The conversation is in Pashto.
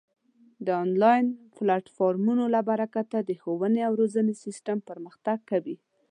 د آنلاین پلتفورمونو له برکته د ښوونې او روزنې سیستم پرمختګ کوي.